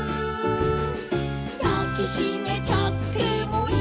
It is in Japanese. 「だきしめちゃってもいいのかな」